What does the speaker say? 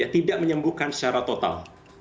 tidak menyembuhkan secara total